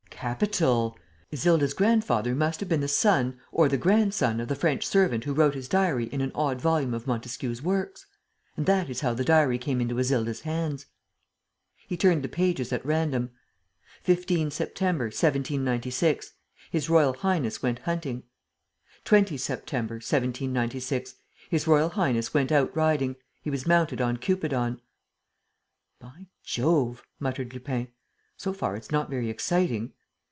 "Capital! Isilda's grandfather must have been the son or the grandson of the French servant who wrote his diary in an odd volume of Montesquieu's works. And that is how the diary came into Isilda's hands." He turned the pages at random: "15 September, 1796. His Royal Highness went hunting. "20 September, 1796. His Royal Highness went out riding. He was mounted on Cupidon." "By Jove!" muttered Lupin. "So far, it's not very exciting."